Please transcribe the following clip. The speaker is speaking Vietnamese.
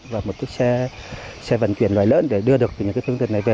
và một chiếc xe vận chuyển loài lớn để đưa được những phương tiện này về